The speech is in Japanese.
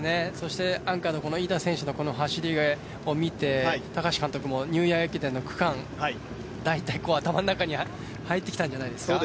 アンカーの飯田選手の走りを見て、高橋監督もニューイヤー駅伝の区間、大体頭の中に入ってきたんじゃないですか。